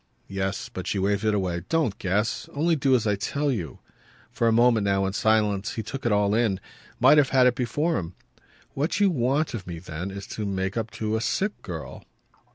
Yes, but she waved it away. "Don't guess. Only do as I tell you." For a moment now, in silence, he took it all in, might have had it before him. "What you want of me then is to make up to a sick girl."